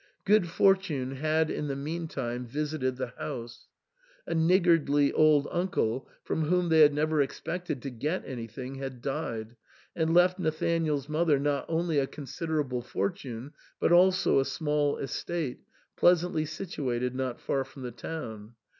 Good fortune had in the meantime visited the house ; a niggardly old uncle, from whom they had never expected to get anything, had died, and left Nathanael's mother not only a con siderable fortune, but also a small estate, pleasantly situated not far from the town.